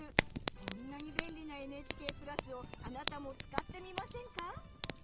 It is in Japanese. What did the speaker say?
こんなに便利なＮＨＫ＋をあなたも使ってみませんか？